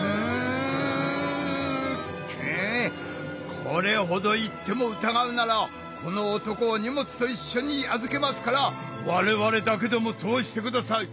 これほど言っても疑うならこの男を荷物といっしょに預けますから我々だけでも通してください！